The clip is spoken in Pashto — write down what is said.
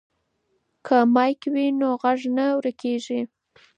که مایک وي نو غږ نه ورکیږي.